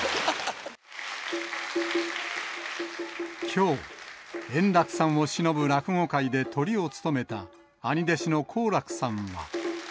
きょう、円楽さんをしのぶ落語会でトリを務めた、兄弟子の好楽さんは。